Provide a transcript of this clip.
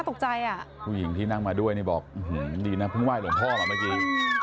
ผู้หญิงที่นั่งมาด้วยบอกดีนะเพิ่งไหว่หลวงพ่อมาเมื่อกี้